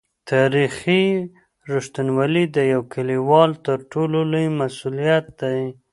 تاریخي رښتینولي د یو لیکوال تر ټولو لوی مسوولیت دی.